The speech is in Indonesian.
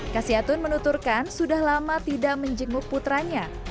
kasyatun menuturkan sudah lama tidak menjenguk putranya